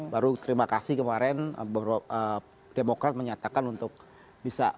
baru terima kasih kemarin demokrasi menyatakan untuk bisa bergabung kan